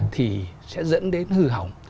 thì sẽ dẫn đến hư hỏng